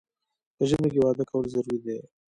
په ژمي کې واده کول ضروري دي